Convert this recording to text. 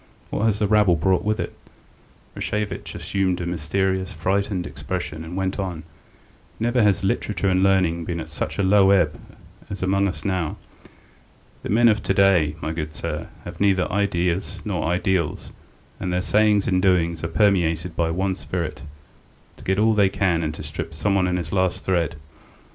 What has the rabble brought with it?" Rashevitch assumed a mysterious, frightened expression, and went on: "Never has literature and learning been at such low ebb among us as now. The men of to day, my good sir, have neither ideas nor ideals, and all their sayings and doings are permeated by one spirit to get all they can and to strip someone to his last thread.